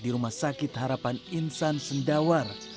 di rumah sakit harapan insan sendawar